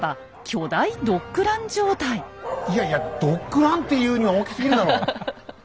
いやいやドッグランって言うには大きすぎるだろ！